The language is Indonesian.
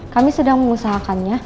kami sedang mengusahakannya